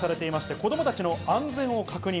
子供たちの安全を確認。